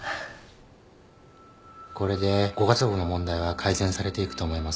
これでご家族の問題は改善されていくと思いますよ。